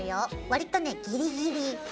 割とねギリギリ。